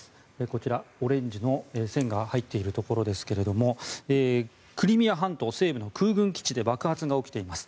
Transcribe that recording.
こちら、オレンジの線が入っているところですがクリミア半島西部の空軍基地で爆発が起きています。